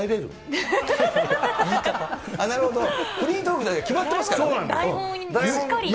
なるほど、フリートークじゃなくて、決まってますからね。